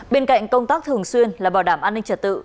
bên cạnh công tác thường xuyên là bảo đảm an ninh trật tự